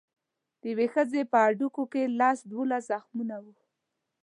د یوې ښځې په هډوکو کې لس دولس زخمونه وو.